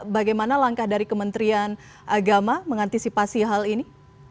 bagaimana langkah dari kementerian agama mengantisipasi hal ini